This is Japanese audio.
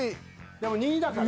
でも２だから。